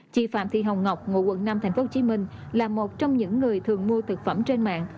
chị phạm thị hồng ngọc ngụ quận năm tp hcm là một trong những người thường mua thực phẩm trên mạng